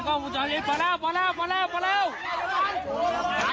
กรอบกินพำตรีนะกันได้